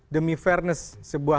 demi fairness sebuah